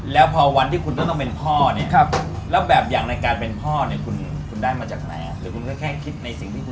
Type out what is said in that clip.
แล้วพอวันที่คุณต้องเป็นพ่อนี้คุณได้มาจากไหน